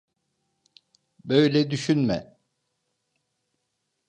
Böyle düşünme.